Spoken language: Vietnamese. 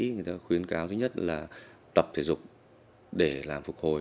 người ta khuyến cáo thứ nhất là tập thể dục để làm phục hồi